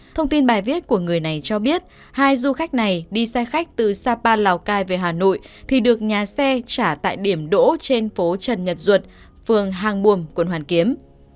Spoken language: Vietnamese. thông tin bài viết của người này cho biết hai du khách này đi xe khách từ sapa lào cai về hà nội thì được nhà xe trả tại điểm đỗ trên phố trần nhật duật phường hàng buồm quận hoàn kiếm